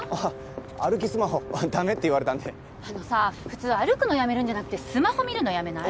歩きスマホダメって言われたんであのさ普通歩くのやめるんじゃなくてスマホ見るのやめない？